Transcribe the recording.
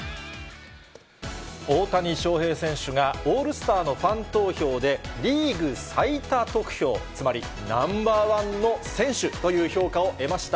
大谷翔平選手が、オールスターのファン投票でリーグ最多得票、つまりナンバーワンの選手という評価を得ました。